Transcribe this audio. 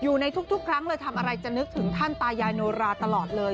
อยู่ในทุกครั้งเลยทำอะไรจะนึกถึงท่านตายายโนราตลอดเลย